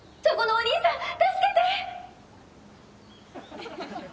・お兄さん早く助けて！